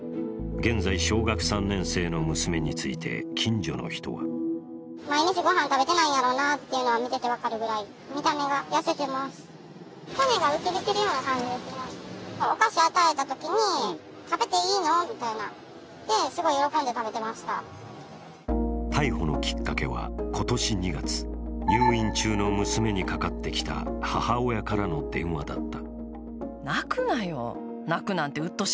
現在小学３年生の娘について近所の人は逮捕のきっかけは今年２月、入院中の娘にかかってきた母親からの電話だった。